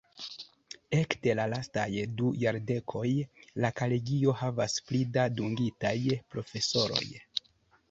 Ekde la lastaj du jardekoj, la kolegio havas pli da dungitaj profesoroj.